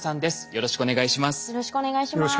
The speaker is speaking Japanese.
よろしくお願いします。